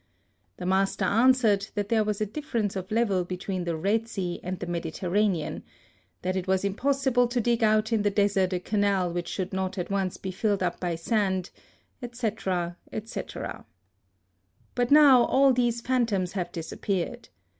The master answered that there was a diflFer ence of level between the Eed Sea and the Mediterranean — that it was impossible to dig out in the desert a canal which should not at once be filled up by sand, &c., &c. But now all these phantoms have dis appeared.